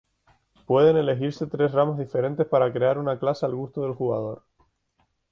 Pueden elegirse tres ramas diferentes para crear una clase al gusto del jugador.